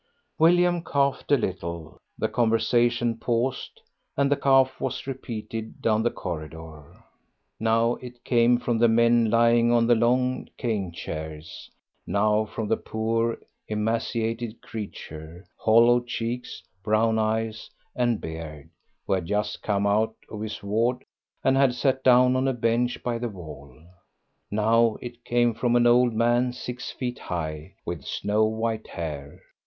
William coughed a little. The conversation paused, and the cough was repeated down the corridor. Now it came from the men lying on the long cane chairs; now from the poor emaciated creature, hollow cheeks, brown eyes and beard, who had just come out of his ward and had sat down on a bench by the wall. Now it came from an old man six feet high, with snow white hair.